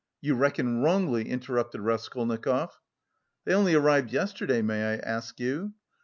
"You reckon wrongly," interrupted Raskolnikov. "They only arrived yesterday, may I ask you?"